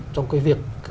trong cái việc